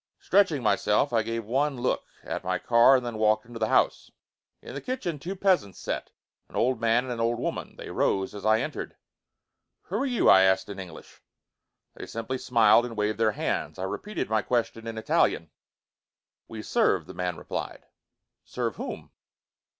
Stretching myself, I gave one look at my car and then walked into the house. In the kitchen two peasants sat, an old man and an old woman. They rose as I entered. "Who are you?" I asked in English. They simply smiled and waved their hands. I repeated my question in Italian. "We serve," the man replied. "Serve whom?"